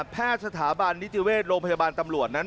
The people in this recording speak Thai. แพทย์สถาบันนิติเวชโรงพยาบาลตำรวจนั้น